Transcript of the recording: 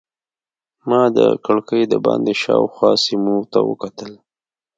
ما تر کړکۍ دباندې شاوخوا سیمو ته کتل.